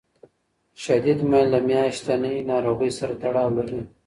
شدید میل د میاشتنۍ ناروغۍ سره تړاو لري.